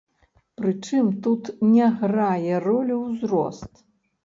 Прычым тут не грае ролю ўзрост.